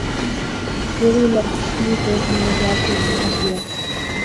پھر لکشمی چوک میں جا کے پھنس گیا۔